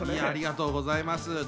ありがとうございます。